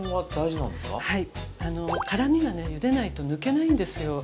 辛みがねゆでないと抜けないんですよ。